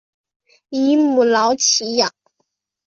以母老乞养。